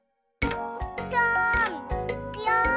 ぴょんぴょん。